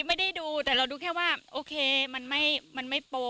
ไม่ได้ดูแต่เราดูแค่ว่าโอเคมันไม่โปร